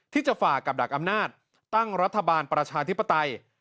ที่จะฝากกับดักอำนาจตั้งรัฐบาลประชาธิปไตย